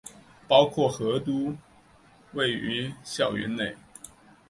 包括和都位于校园内。